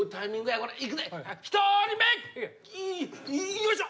よいしょ！